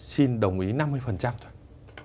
xin đồng ý năm mươi thôi